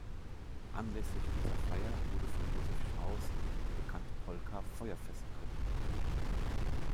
Anlässlich dieser Feier wurde von Josef Strauss die bekannte Polka "Feuerfest" komponiert.